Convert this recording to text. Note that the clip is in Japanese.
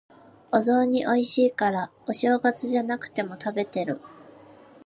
お雑煮美味しいから、お正月じゃなくても食べてる。